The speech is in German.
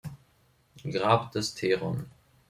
Grab des Theron